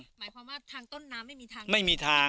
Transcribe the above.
หมายความว่าทางต้นน้ำไม่มีทางไม่มีทาง